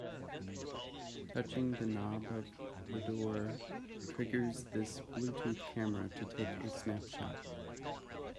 Touching the knob of the door triggers this Bluetooth camera to take a snapshot.